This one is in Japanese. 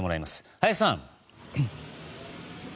林さん。